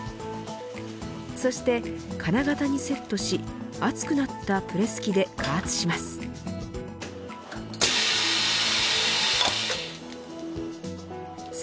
そして、金型にセットし熱くなったプレス機で加圧します。